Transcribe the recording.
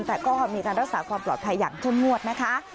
แต่ก็มีการรักษาความปลอดภัยอย่างเข้มงวดนะคะ